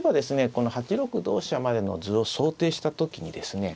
この８六同飛車までの図を想定した時にですね